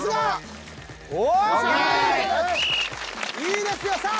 いいですよさあ